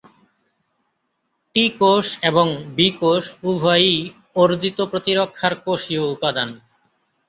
টি কোষ এবং বি কোষ উভয়ই অর্জিত প্রতিরক্ষার কোষীয় উপাদান।